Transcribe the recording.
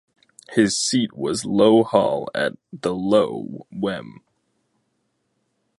His seat was Lowe Hall at The Lowe, Wem.